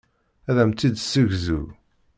Ad am-tt-id-tessegzu.